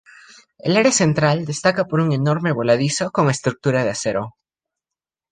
El área central destaca por un enorme voladizo con estructura de acero.